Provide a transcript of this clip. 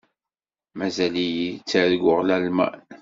Mazal-iyi ttarguɣ Lalman.